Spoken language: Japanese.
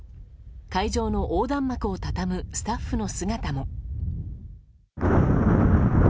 会場の横断幕をたたむスタッフの姿も。